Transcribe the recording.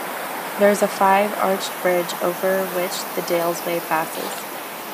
There is a five-arched bridge over which the Dalesway passes.